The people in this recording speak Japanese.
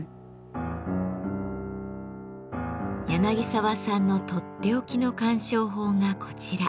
澤さんのとっておきの鑑賞法がこちら。